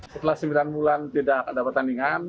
setelah sembilan bulan tidak ada pertandingan